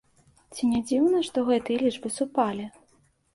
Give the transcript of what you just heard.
Ці не дзіўна, што гэтыя лічбы супалі?